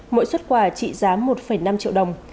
mỗi xuất quà trị giá một năm triệu đồng